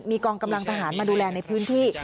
มีกองกำลังทหารมาดูแลในพื้นที่